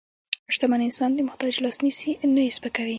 شتمن انسان د محتاج لاس نیسي، نه یې سپکوي.